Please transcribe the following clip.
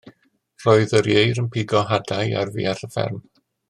Roedd yr ieir yn pigo hadau ar fuarth y fferm.